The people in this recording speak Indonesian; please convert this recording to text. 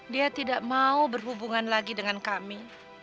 dia tidak mau berhubungan lagi dengan kami